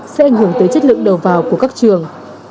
sẽ ảnh hưởng tới chất lượng đầu vào của các trường